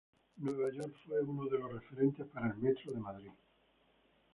Nueva York fue uno de los referentes para el Metro de Madrid.